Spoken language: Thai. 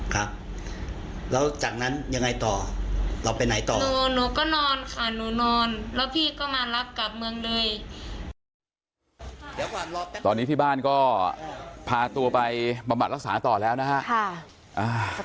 ครับแล้วจากนั้นยังไงต่อเราไปไหนต่อ